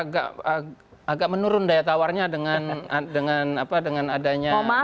nah pks agak menurun daya tawarnya dengan adanya demokrat maso